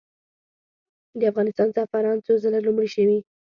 د افغانستان زعفران څو ځله لومړي شوي؟